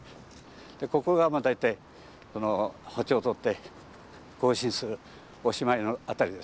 でここが大体歩調をとって行進するおしまいの辺りですね。